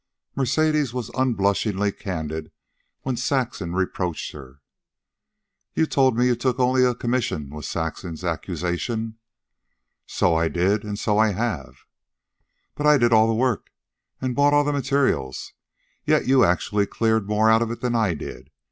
Mercedes was unblushingly candid when Saxon reproached her. "You told me you took only a commission," was Saxon's accusation. "So I did; and so I have." "But I did all the work and bought all the materials, yet you actually cleared more out of it than I did.